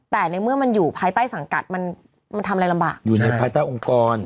แต่ในเมื่อมันอยู่ภายใต้สังกัดมันมันทำอะไรลำบากอยู่ในภายใต้องค์กร